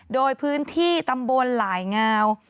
โดยพื้นที่ตำบลหลายงาว